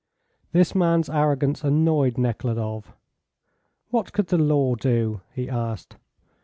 This man's arrogance annoyed Nekhludoff. "What could the law do?" he asked.